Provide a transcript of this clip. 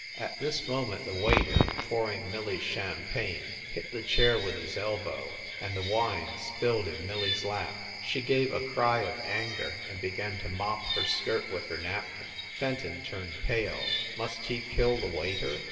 5 At this moment the waiter, pouring Millie s champagne, hit the chair with his elbow, and the wine spilled in Millie s lap. She gave a cry of anger and began to mop her skirt with her napkin. Fenton turned pale. Must he kill the waiter?